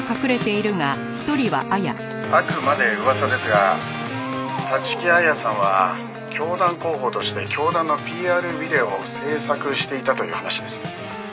「あくまで噂ですが立木彩さんは教団広報として教団のＰＲビデオを制作していたという話です」